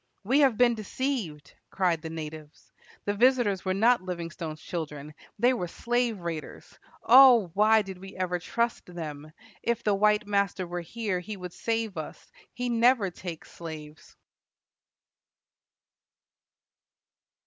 "We have been deceived," cried the natives. "The visitors were not Livingstone's children. They were slave raiders. O! why did we ever trust them? If the white master were here, he would save us. He never takes slaves."